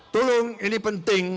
tolong ini penting